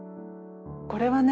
これはね